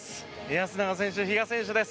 安永選手、比嘉選手です。